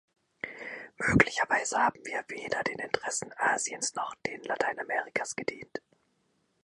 Möglicherweise haben wir weder den Interessen Asiens noch denen Lateinamerikas gedient.